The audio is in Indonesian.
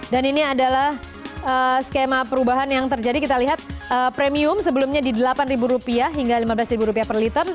dan ini adalah skema perubahan yang terjadi kita lihat premium sebelumnya di delapan rupiah hingga lima belas rupiah per liter